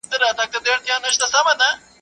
o په سپين سر، کيمخا پر سر.